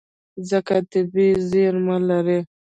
مځکه طبیعي زیرمې لري.